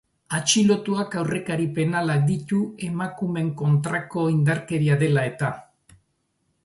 Atxilotuak aurrekari penalak ditu emakumeen kontrako indarkeria dela eta.